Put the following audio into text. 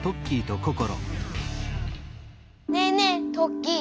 ねえねえトッキー。